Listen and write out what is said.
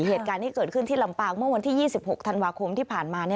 เหตุการณ์ที่เกิดขึ้นที่ลำปางเมื่อวันที่๒๖ธันวาคมที่ผ่านมา